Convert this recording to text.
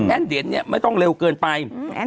แอ้นเด่นไม่ต้องเร็วเกินไป